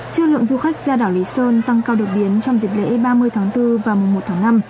chưa lượng du khách ra đảo lý sơn tăng cao đột biến trong dịp lễ ba mươi tháng bốn và mùa một tháng năm